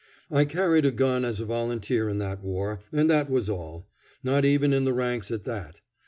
I carried a gun as a volunteer in that war, and that was all; not even in the ranks at that.